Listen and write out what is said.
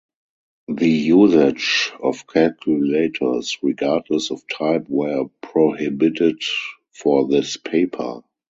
The usage of calculators regardless of type were prohibited for this paper.